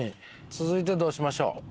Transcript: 続いてどうしましょう？